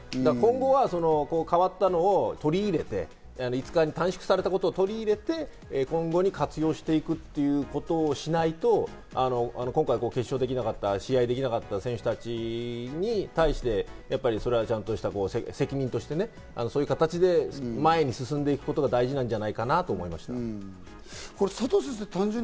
今後は変わったのを取り入れて、５日に短縮されたことを取り入れて、今後に活用していくということをしないと、今回、決勝できなかった、試合できなかった選手たちに対してそれはちゃんとした責任としてね、そういう形で前に進んでいくことが大事なんじゃないかなと思います。